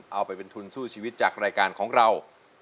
เอาไปเป็นทุนสู้ชีวิตจากรายการของเรา